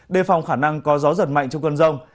đề phòng khả năng có gió giật mạnh trong cơn rông